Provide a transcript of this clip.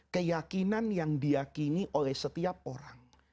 keyakinan yang diakini oleh setiap orang